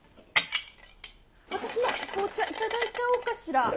私も紅茶頂いちゃおうかしら。